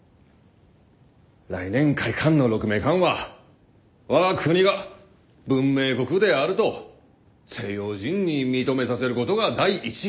来年開館の鹿鳴館は我が国が文明国であると西洋人に認めさせることが第一義。